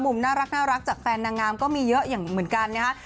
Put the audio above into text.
น่ารักจากแฟนนางงามก็มีเยอะอย่างเหมือนกันนะฮะ